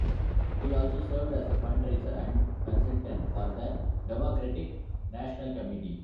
He also served as a fundraiser and consultant for the Democratic National Committee.